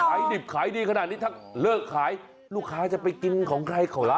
ดิบขายดีขนาดนี้ถ้าเลิกขายลูกค้าจะไปกินของใครเขาล่ะ